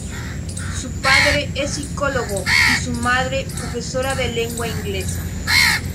Su padre es psicólogo y su madre profesora de lengua inglesa.